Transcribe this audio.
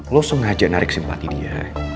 lo sengaja narik simpati dia